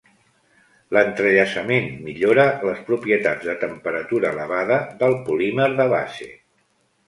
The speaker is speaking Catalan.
L'entrellaçament millora les propietats de temperatura elevada del polímer de base.